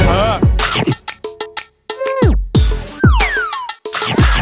เออ